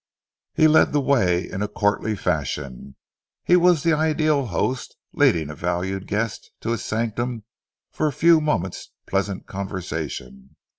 He led the way in courtly fashion. He was the ideal host leading a valued guest to his sanctum for a few moments' pleasant conversation.